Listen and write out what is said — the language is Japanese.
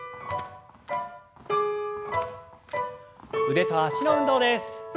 腕と脚の運動です。